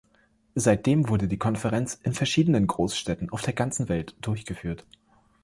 Seitdem wurde die Konferenz in verschiedenen Großstädten auf der ganzen Welt durchgeführt.